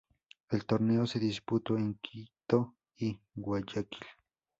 El torneo se disputó en Quito y Guayaquil.